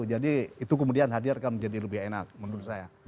jadi itu kemudian hadirkan menjadi lebih enak menurut saya